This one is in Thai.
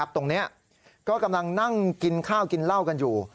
ตรงนี้ก็กำลังนั่งกินข้าวกินเหล้ากันอยู่